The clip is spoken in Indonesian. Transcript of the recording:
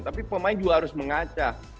tapi pemain juga harus mengacah